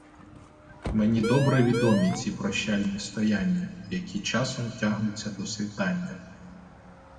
Мені добре відомі ці прощальні стояння, які часом тягнуться до світання.